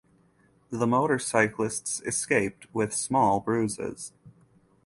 The motorcyclists escaped with small bruises.